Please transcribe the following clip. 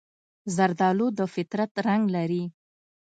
زردالو د فطرت رنګ لري.